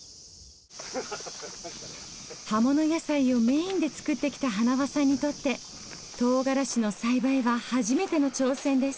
葉物野菜をメインで作ってきた塙さんにとってとうがらしの栽培は初めての挑戦です。